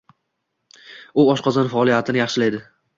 U oshqozon faoliyatini yahshilaydi.